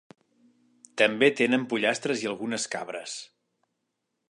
També tenen pollastres i algunes cabres.